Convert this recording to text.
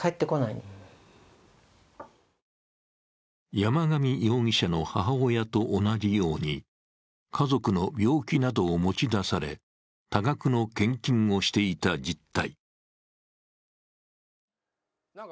山上容疑者の母親と同じように家族の病気などを持ち出され多額の献金をしていた実態。